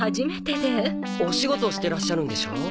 お仕事してらっしゃるんでしょ？